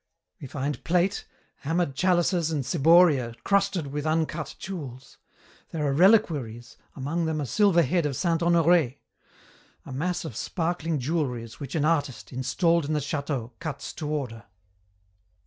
We find plate, hammered chalices and ciboria crusted with uncut jewels. There are reliquaries, among them a silver head of Saint Honoré. A mass of sparkling jewelleries which an artist, installed in the château, cuts to order.